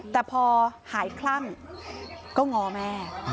แต่พอหายคลั่งก็ง้อแม่